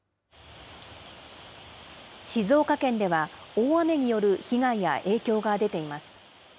静岡県では、大雨による被害や影響が出ています。